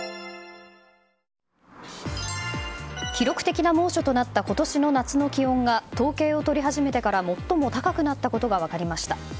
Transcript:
記録的な猛暑となった今年の夏の気温が統計を取り始めてから最も高くなったことが分かりました。